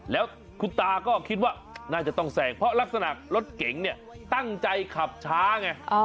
แล้วคุณตาก็คิดว่าน่าจะต้องแสงเพราะลักษณะรถเก๋งเนี่ยตั้งใจขับช้าไง